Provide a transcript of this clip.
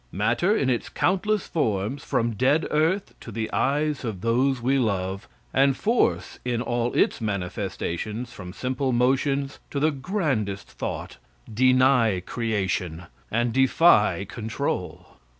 Matter in its countless forms, from dead earth to the eyes of those we love, and force, in all its manifestations, from simple motions to the grandest thought, deny creation and defy control.